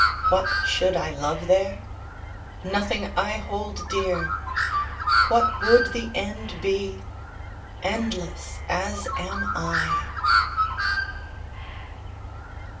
What should I love there? Nothing I hold dear! What would the end be ? Endless as am I